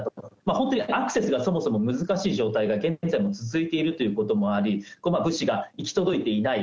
本当にアクセスがそもそも難しい状態が現在も続いているということもあり、物資が行き届いていない。